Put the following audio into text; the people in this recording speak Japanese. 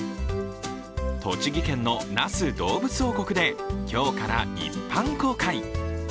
栃木県の那須どうぶつ王国で今日から一般公開。